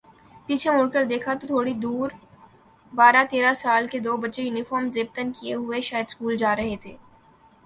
پیچھے مڑ کر دیکھا تو تھوڑی دوربارہ تیرہ سال کے دو بچے یونیفارم زیب تن کئے ہوئے شاید سکول جارہے تھے